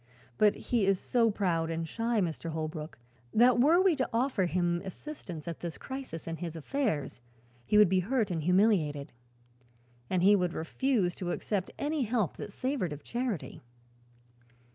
But he is so proud and shy, Mr. Holbrook, that were we to offer him assistance at this crisis in his affairs, he would be hurt and humiliated. And he would refuse to accept any help that savored of charity."